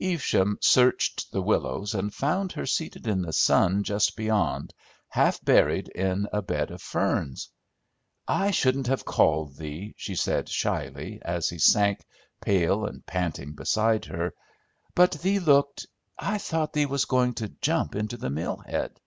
Evesham searched the willows and found her seated in the sun, just beyond, half buried in a bed of ferns. "I shouldn't have called thee," she said shyly, as he sank pale and panting beside her, "but thee looked I thought thee was going to jump into the mill head!"